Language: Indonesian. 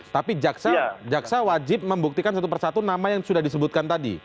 tapi jaksa wajib membuktikan satu persatu nama yang sudah disebutkan tadi